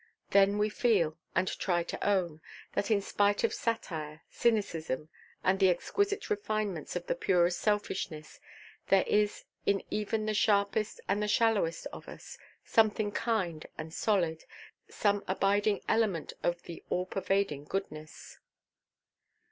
Then we feel, and try to own, that in spite of satire, cynicism, and the exquisite refinements of the purest selfishness, there is, in even the sharpest and the shallowest of us, something kind and solid, some abiding element of the all–pervading goodness.